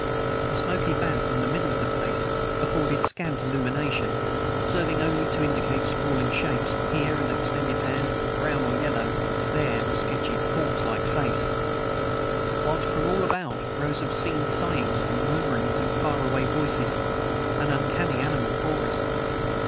The smoky lamp in the middle of the place afforded scant illumination, serving only to indicate sprawling shapes here an extended hand, brown or yellow, there a sketchy, corpse like face; whilst from all about rose obscene sighings and murmurings in far away voices an uncanny, animal chorus.